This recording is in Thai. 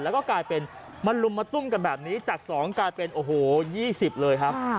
แล้วก็กลายเป็นมาลุมมาตุ้มกันแบบนี้จาก๒กลายเป็นโอ้โห๒๐เลยครับ